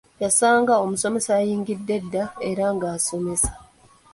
Yasanga omusomesa yayingidde dda era ng’asomesa.